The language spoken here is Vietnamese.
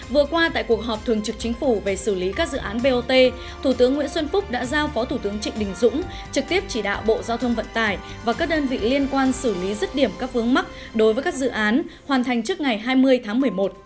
vừa qua tại cuộc họp thường trực chính phủ về xử lý các dự án bot thủ tướng nguyễn xuân phúc đã giao phó thủ tướng trịnh đình dũng trực tiếp chỉ đạo bộ giao thông vận tải và các đơn vị liên quan xử lý rứt điểm các vướng mắc đối với các dự án hoàn thành trước ngày hai mươi tháng một mươi một